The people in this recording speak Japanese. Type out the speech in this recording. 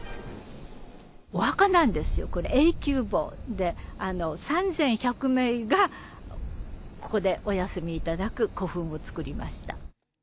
お墓なんですよ、これ、永久墓で、３１００名がここでお休みいただく古墳を作りました。